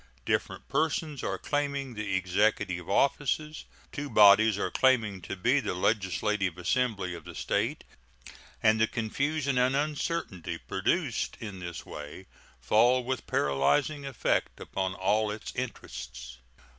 Different persons are claiming the executive offices, two bodies are claiming to be the legislative assembly of the State, and the confusion and uncertainty produced in this way fall with paralyzing effect upon all its interests.